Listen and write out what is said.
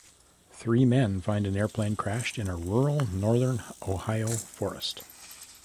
Three men find an airplane crashed in a rural Northern Ohio forest.